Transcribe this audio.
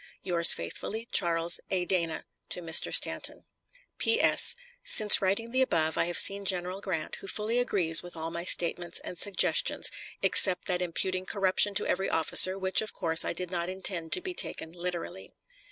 Yours faithfully, CHARLES A. DANA. Mr. STANTON. P.S. Since writing the above I have seen General Grant, who fully agrees with all my statements and suggestions, except that imputing corruption to every officer, which of course I did not intend to be taken literally.